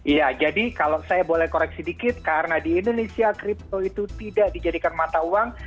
iya jadi kalau saya boleh koreksi dikit karena di indonesia kripto itu tidak dijadikan mata uang